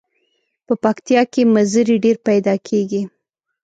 په پکتیا کې مزري ډیر پیداکیږي.